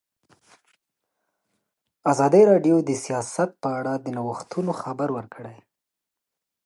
ازادي راډیو د سیاست په اړه د نوښتونو خبر ورکړی.